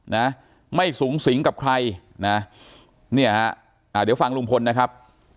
นะไม่สูงสิงกับใครนะเนี่ยฮะอ่าเดี๋ยวฟังลุงพลนะครับ